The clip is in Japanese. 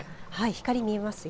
光、見えますよ。